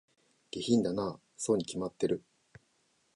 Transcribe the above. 下品だなぁ、そうに決まってる